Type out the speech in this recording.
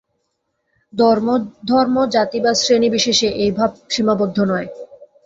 ধর্ম জাতি বা শ্রেণী-বিশেষে এই ভাব সীমাবদ্ধ নয়।